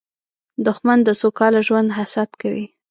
دښمن د سوکاله ژوند حسد کوي